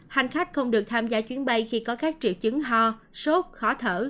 hành khách không được tham gia chuyến bay khi có các triệu chứng ho sốt khó thở